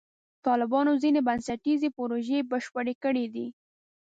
طالبانو ځینې بنسټیزې پروژې بشپړې کړې دي.